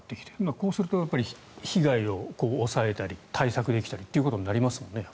こうすると被害を抑えたり対策できたりということになりますよね。